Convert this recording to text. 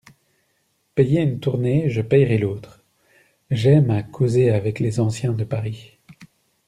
Payez une tournée, je paierai l'autre ; j'aime à causer avec les anciens de Paris.